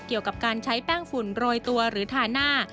เกี่ยวกับการใช้แป้งฝุ่นโรยตัวหรือทาหน้า